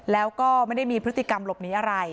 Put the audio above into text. แล้วก็ไม่ได้มีพฤติกรรมหลบหนีอะไร